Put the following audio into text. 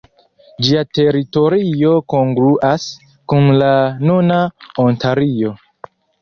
Ĝia teritorio kongruas kun la nuna Ontario.